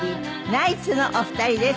ナイツのお二人です。